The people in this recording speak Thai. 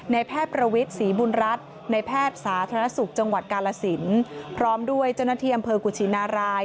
แพทย์ประวิทย์ศรีบุญรัฐในแพทย์สาธารณสุขจังหวัดกาลสินพร้อมด้วยเจ้าหน้าที่อำเภอกุชินาราย